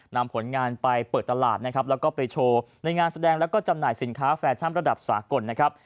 นำผลงานไปเปิดตลาดนะครับแล้วก็ไปโชว์ในงานแสดงแล้วก็จำหน่ายสินค้าแฟชั่นระดับสากลนะครับ